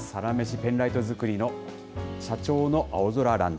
ペンライト作りの社長の青空ランチ。